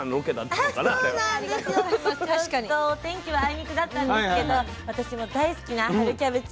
ちょっとお天気はあいにくだったんですけど私も大好きな春キャベツをこうね調べてきました。